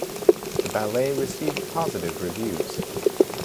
The ballet received positive reviews.